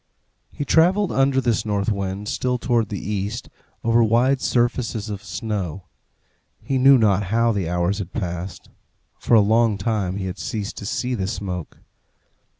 He travelled under this north wind, still towards the east, over wide surfaces of snow. He knew not how the hours had passed. For a long time he had ceased to see the smoke.